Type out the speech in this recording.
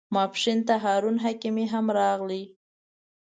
ماپښین ته هارون حکیمي هم راغی.